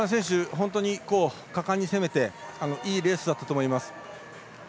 本当に果敢に攻めていいレースだったと思います。